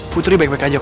putri baik baik aja kok